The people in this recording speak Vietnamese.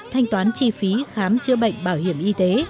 thanh toán chi phí khám chữa bệnh bảo hiểm y tế